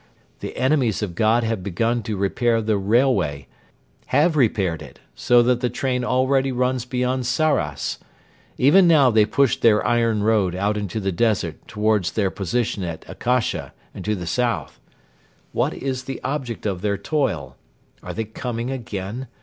The 'enemies of God' have begun to repair the railway have repaired it, so that the train already runs beyond Sarras. Even now they push their iron road out into the desert towards their position at Akasha and to the south. What is the object of their toil? Are they coming again?